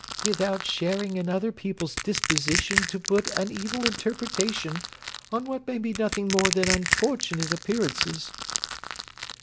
"Without sharing in other people's disposition to put an evil interpretation on what may be nothing more than unfortunate appearances."...